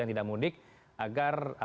yang tidak mudik agar